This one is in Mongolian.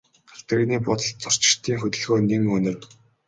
Галт тэрэгний буудалд зорчигчдын хөдөлгөөн нэн өнөр.